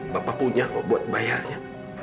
bapak punya kok buat bayarnya